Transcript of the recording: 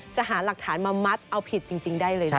หาหลักฐานมามัดเอาผิดจริงได้เลยนะ